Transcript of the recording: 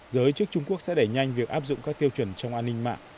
giới chức trung quốc sẽ đẩy nhanh việc áp dụng các tiêu chuẩn trong an ninh mạng